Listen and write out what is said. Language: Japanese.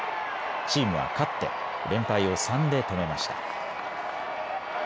チームは勝って連敗を３で止めました。